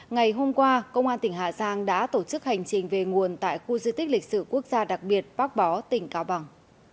ngày hôm qua công an tỉnh hà giang đã tổ chức hành trình về nguồn tại khu di tích lịch sử quốc gia đặc biệt bác bó tỉnh cao bằng